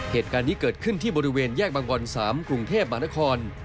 เหตุการณ์นี้เกิดขึ้นที่บริเวณแยกบางบอน๓กรุงเทพมหานคร